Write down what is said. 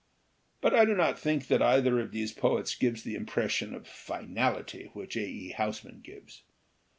But I do not think that either of these poets gives the impression of finality which A. E. Housman gives.